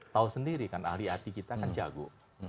tahu sendiri kan ahli ati kita kan jago